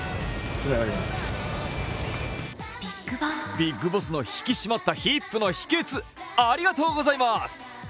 ビッグボスの引き締まったヒップの秘けつ、ありがとうございます